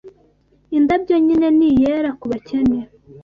Indabyo nyine ni iyera kubakene